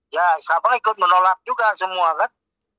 ya sabang ikut menolak juga semua kan